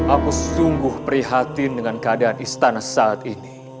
aku sungguh prihatin dengan keadaan istana saat ini